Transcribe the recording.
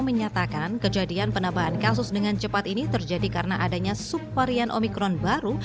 menyatakan kejadian penambahan kasus dengan cepat ini terjadi karena adanya subvarian omikron baru